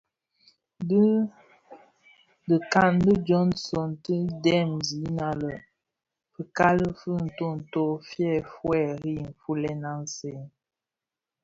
Bi dhikan di Johnson ti dhem zina lè fikali fi ntonto fi fyèri nfulèn aň sèè.